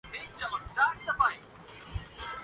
کہ جس کے بعد فتویٰ بازی قابلِ دست اندازیِ پولیس جرم بن جائے